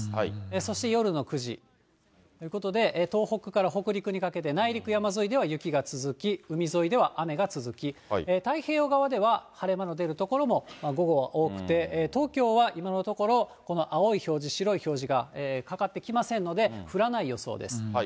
そして夜の９時ということで、東北から北陸にかけて、内陸山沿いでは雪が続き、海沿いでは雨が続き、太平洋側では晴れ間の出る所も、午後は多くて、東京は今のところ、この青い表示、白い表示がかかってきませんので、降らない予想です。